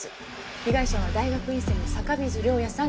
被害者は大学院生の坂水涼也さん